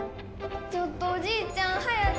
ちょっとおじいちゃん、早く！